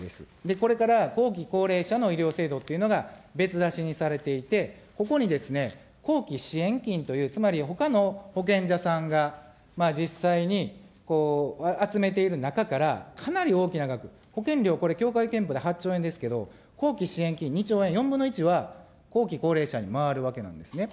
これから後期高齢者の医療制度っていうのが別出しにされていて、ここにですね、後期支援金という、つまりほかの保険じゃさんが実際に集めている中からかなり大きな額、保険料、これ協会けんぽで８兆円ですけど、後期支援金２兆円、４分の１は、後期高齢者に回るわけなんですね。